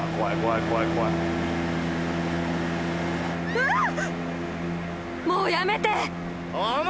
うわっ！